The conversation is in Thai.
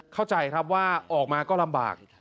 เข้าใจครับว่าออกมาก็ลำบาก